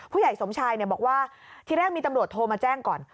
ผู้ใหญ่สมชายบอกว่าทีแรกมีตำรวจโทรมาแจ้งก่อน